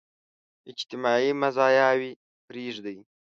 اجتماعي مزاياوې پرېږدي.